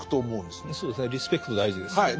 そうですねリスペクト大事です。